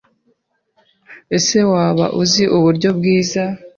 Ese waba uzi uburyo bwiza